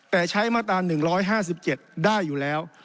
แต่ใช้มาตรา๑๕๗ได้อยู่แล้ว